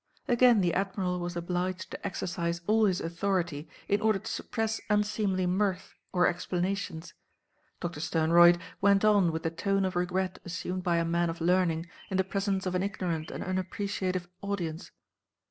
Again the Admiral was obliged to exercise all his authority in order to suppress unseemly mirth or explanations. Doctor Sternroyd went on with the tone of regret assumed by a man of learning in the presence of an ignorant and unappreciative audience.